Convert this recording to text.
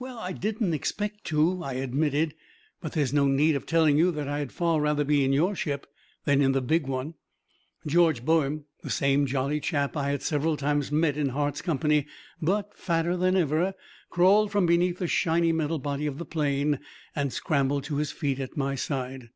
"Well, I didn't expect to," I admitted; "but there is no need of telling you that I had far rather be in your ship than in the big one." George Boehm, the same jolly chap I had several times met in Hart's company, but fatter than ever, crawled from beneath the shiny metal body of the plane and scrambled to his feet at my side.